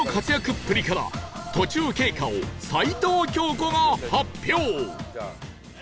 っぷりから途中経過を齊藤京子が発表